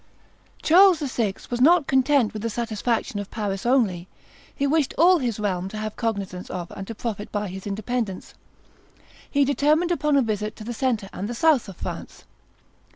Charles VI. was not content with the satisfaction of Paris only; he wished all his realm to have cognizance of and to profit by his independence. He determined upon a visit to the centre and the south of France.